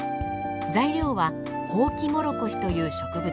材料はホウキモロコシという植物。